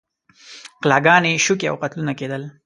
غلاګانې، شوکې او قتلونه کېدل.